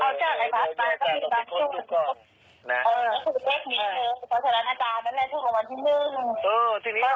เอาจากไอ้พัฒน์ก็มีอาจารย์ที่สุก